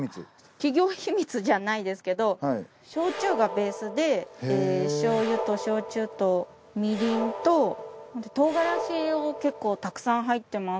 企業秘密じゃないですけど焼酎がベースで醤油と焼酎とみりんと唐辛子を結構たくさん入ってます。